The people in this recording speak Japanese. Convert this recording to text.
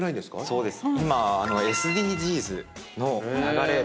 そうです。